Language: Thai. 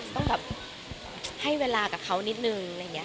ต้องแบบให้เวลากับเขานิดนึงอะไรอย่างนี้